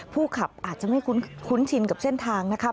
ผู้ขับอาจจะไม่คุ้นชินกับเส้นทางนะคะ